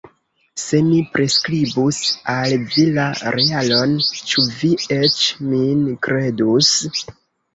Se mi priskribus al vi la realon, ĉu vi eĉ min kredus?